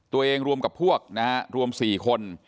ตัวเองรวมกับพวกนะครับรวม๔คน